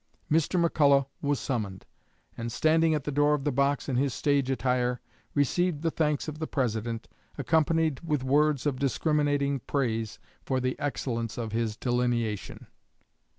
Mr. McCullough was summoned, and, standing at the door of the box in his stage attire, received the thanks of the President, accompanied with words of discriminating praise for the excellence of his delineation.